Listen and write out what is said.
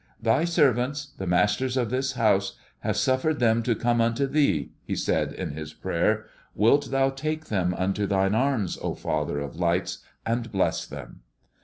"Thy servants, the masters of this house, have suffered them to come unto thee," he said in his prayer. "Wilt thou take them into thine arms, O Father of lights, and bless them!"